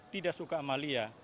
tidak suka amalia